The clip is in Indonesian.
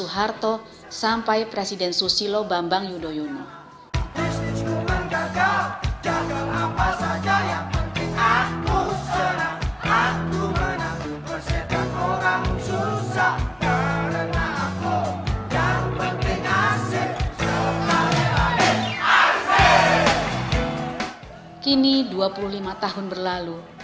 kini dua puluh lima tahun berlalu